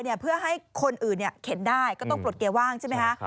เพื่อให้คนอื่นเข็นได้ก็ต้องปลดเกียร์ว่างใช่ไหมคะ